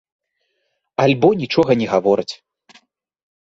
Альбо нічога не гавораць.